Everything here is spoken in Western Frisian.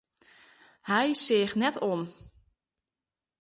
Hy seach net om.